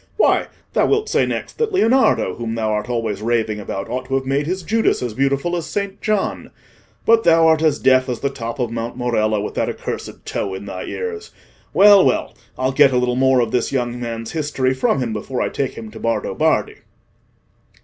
Why, thou wilt say next that Leonardo, whom thou art always raving about, ought to have made his Judas as beautiful as Saint John! But thou art as deaf as the top of Mount Morello with that accursed tow in thy ears. Well, well: I'll get a little more of this young man's history from him before I take him to Bardo Bardi."